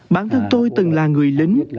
bản thân tôi từng là người lính